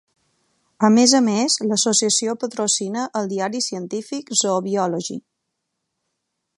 A més a més, l'associació patrocina el diari científic "Zoo Biology".